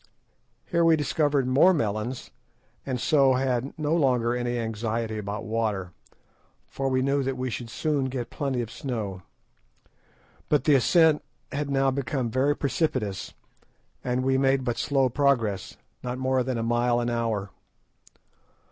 Here we discovered more melons, and so had no longer any anxiety about water, for we knew that we should soon get plenty of snow. But the ascent had now become very precipitous, and we made but slow progress, not more than a mile an hour.